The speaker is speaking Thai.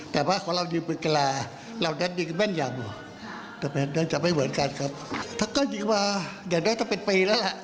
แต่ก็ยิงมาอย่างนั้นตั้งแต่ปีแล้วละ